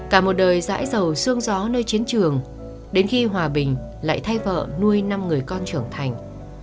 cả một đời dãi giàu sương gió nơi chiến trường đến khi hòa bình lại thay vợ nuôi năm người con trưởng thành